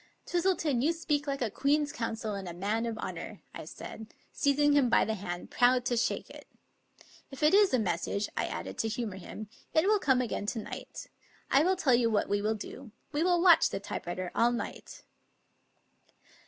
"Twistleton, you speak like a Queen's Counsel and a man of honor," I said, seizing him by the hand, proud to shake it. " If it is a message," I added to humor him, " it will come again to night. I will tell you what we will do. We will watch the typewriter all night."